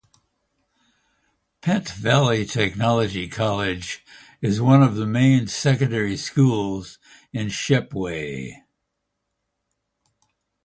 Pent Valley Technology College is one of the main secondary schools in Shepway.